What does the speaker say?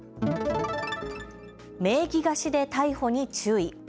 名義貸しで逮捕に注意。